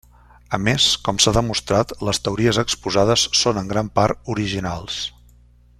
A més, com s'ha demostrat, les teories exposades són en gran part originals.